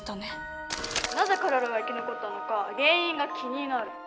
なぜ彼らが生き残ったのか原因が気になる。